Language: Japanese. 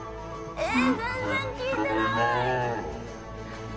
えっ？